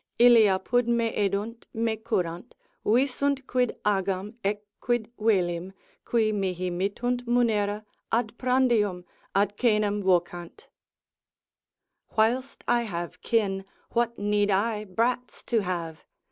Illi apud me edunt, me curant, visunt quid agam, ecquid velim, Qui mihi mittunt munera, ad prandium, ad coenam vocant. Whilst I have kin, what need I brats to have?